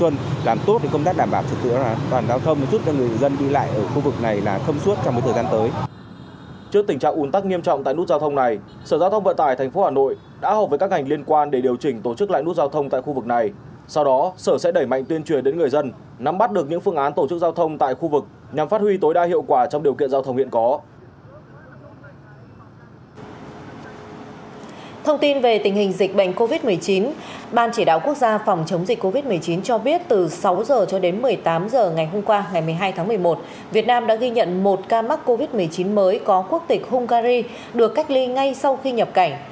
ngày một mươi hai tháng một mươi một việt nam đã ghi nhận một ca mắc covid một mươi chín mới có quốc tịch hungary được cách ly ngay sau khi nhập cảnh